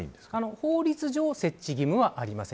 法律上設置義務はありません。